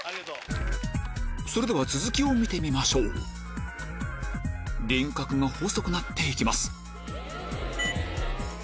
それでは続きを見てみましょう輪郭が細くなって行きます